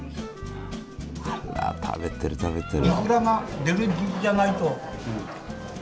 あら食べてる食べてる。